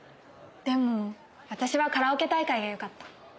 でも私はカラオケ大会がよかった。